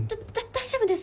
大丈夫です。